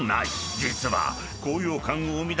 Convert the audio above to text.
［実は］